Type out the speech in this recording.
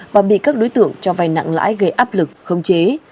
và bị các đối tượng cho vai nặng lãi gây áp lực khống chế